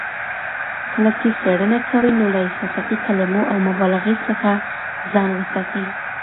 کله چې څېړنه کوئ نو له احساساتي کلمو او مبالغې څخه ځان وساتئ.